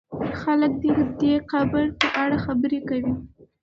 خلک د دې قبر په اړه خبرې کوي.